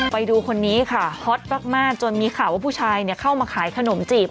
ไปดูคนนี้ค่ะฮอตมากจนมีข่าวว่าผู้ชายเข้ามาขายขนมจีบ